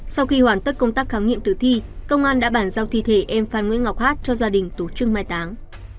sau khi hoàn tất công tác khám nghiệm tử thi công an đã bản giao thi thể em phan nguyễn ngọc hát cho gia đình tổ chức mai táng